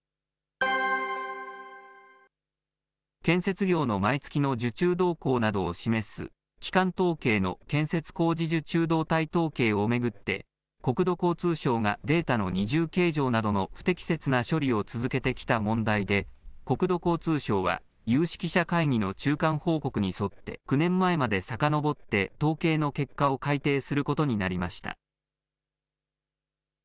建設業の毎月の受注動向などを示す、基幹統計の建設工事受注動態統計を巡って、国土交通省がデータの二重計上などの不適切な処理を続けてきた問題で、国土交通省は有識者会議の中間報告に沿って、９年前までさかのぼって統計の結果を改定することになりました。